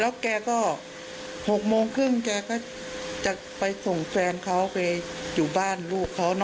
แล้วแกก็๖โมงครึ่งแกก็จะไปส่งแฟนเขาไปอยู่บ้านลูกเขา